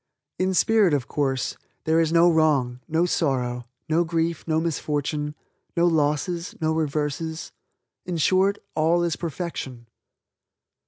In spirit, of course, there is no wrong, no sorrow, no grief, no misfortune, no losses, no reverses. In short all is perfection.